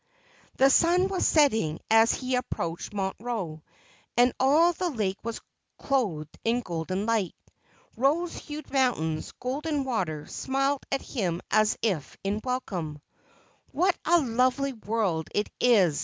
The sun was setting as he approached Montreux, and all the lake was clothed in golden light. Rose hued mountains, golden water, smiled at him as if in welcome. ' "What a lovely world it is